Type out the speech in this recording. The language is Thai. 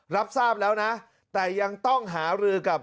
รับทราบแล้วนะแต่ยังต้องหารือกับ